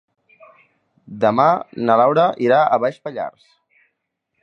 Demà na Laura irà a Baix Pallars.